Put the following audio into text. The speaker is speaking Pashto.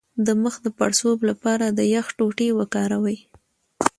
د مخ د پړسوب لپاره د یخ ټوټې وکاروئ